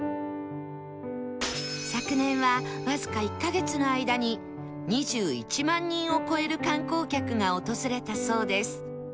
昨年はわずか１カ月の間に２１万人を超える観光客が訪れたそうです